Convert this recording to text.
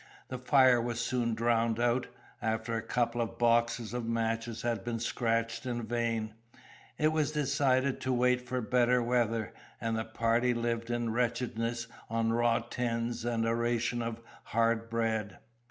The fire was soon drowned out; after a couple of boxes of matches had been scratched in vain, it was decided to wait for better weather; and the party lived in wretchedness on raw tins and a ration of hard bread.